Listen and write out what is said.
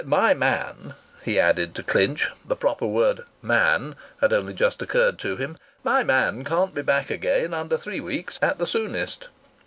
"My man," he added to clinch the proper word "man" had only just occurred to him "my man can't be back again under three weeks at the soonest."